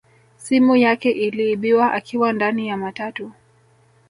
Simu yake iliibiwa akiwa ndani ya matatu